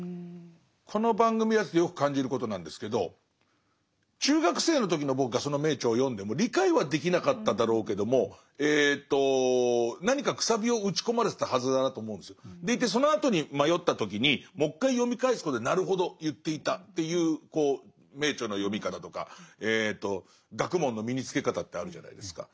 この番組やっててよく感じることなんですけど中学生の時の僕がその名著を読んでも理解はできなかっただろうけどもでいてそのあとに迷った時にもう一回読み返すことでなるほど言っていたっていう名著の読み方とか学問の身につけ方ってあるじゃないですか。